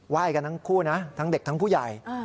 ยกันทั้งคู่นะทั้งเด็กทั้งผู้ใหญ่